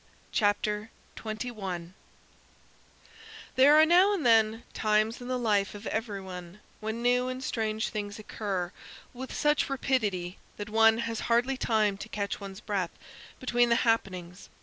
CHAPTER 21 There are now and then times in the life of every one when new and strange things occur with such rapidity that one has hardly time to catch one's breath between the happenings.